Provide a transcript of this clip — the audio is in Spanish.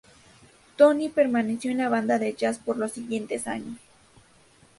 Tony permaneció en la banda de jazz por los siguientes años.